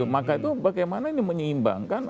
maka itu bagaimana ini menyeimbangkan